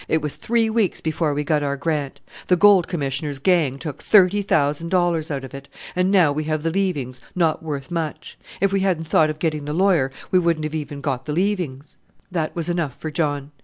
It was three weeks before we got our grant. The Gold Commissioner's gang took $30,000 out of it, and now we have the leavings, not worth much! If we hadn't thought of getting the lawyer, we wouldn't have even got the leavings!" That was enough for John.